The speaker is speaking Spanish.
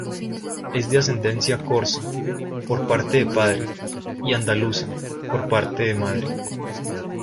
Es de ascendencia corsa, por parte de padre, y andaluza, por parte de madre.